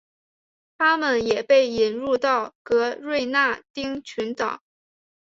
它们也被引入到格瑞纳丁群岛。